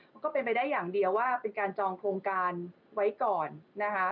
ก็เป็นไปได้อย่างเดียวว่าเป็นการจองโครงการไว้ก่อนนะคะ